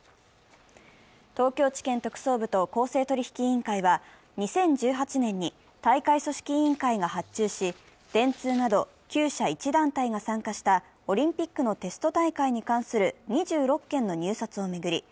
東京地検特捜部と公正取引委員会は２０１８年に大会組織委員会が発注し電通など９社１団体が参加したオリンピックのテスト大会に関する２６件の入札を巡り